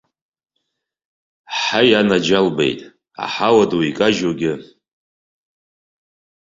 Ҳаи, анаџьалбеит, аҳауа ду икажьугьы.